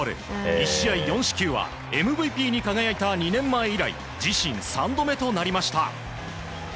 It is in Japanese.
１試合４四球はＭＶＰに輝いた２年前以来自身３度目となりました。